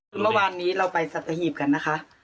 คือเมื่อวานนี้เราไปสัตหีบกันนะคะ